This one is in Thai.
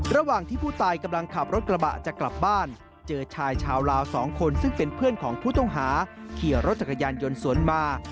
ระหว่างที่ผู้ตายกำลังขับรถกระบะจะกลับบ้านเจอชายชาวลาวสองคนซึ่งเป็นเพื่อนของผู้ต้องหาขี่รถจักรยานยนต์สวนมา